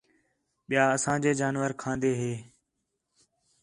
ٻِیا اسانجے جانور کھان٘دا ہِے